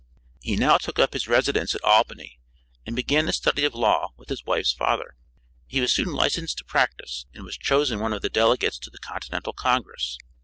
He now took up his residence at Albany and began the study of law with his wife's father. He was soon licensed to practice, and was chosen one of the delegates to the Continental Congress.